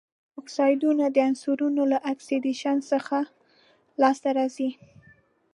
اکسایډونه د عنصرونو له اکسیدیشن څخه لاسته راځي.